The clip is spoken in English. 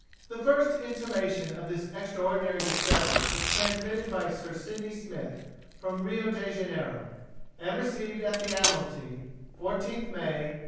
The first intimation of this extraordinary discovery was transmitted by Sir Sydney Smith from Rio de Janeiro, and received at the Admiralty, 14th May, 1809.